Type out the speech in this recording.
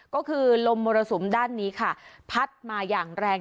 ก็คือลมมรสุมด้านนี้ค่ะพัดมาอย่างแรง